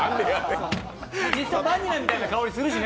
カシスバニラみたいな香りするしね。